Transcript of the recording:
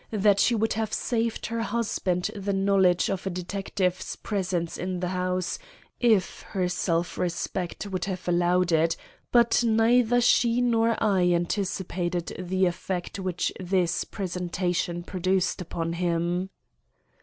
That she would have saved her husband the knowledge of a detective's presence in the house, if her self respect would have allowed it, but neither she nor I anticipated the effect which this presentation produced upon him.